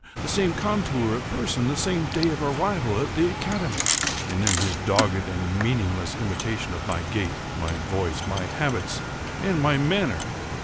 the same contour of person! the same day of arrival at the academy! And then his dogged and meaningless imitation of my gait, my voice, my habits, and my manner!